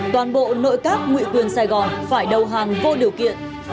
toàn bộ nội các ngụy quyền sài gòn phải đầu hàng vô điều kiện